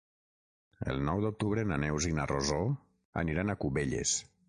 El nou d'octubre na Neus i na Rosó aniran a Cubelles.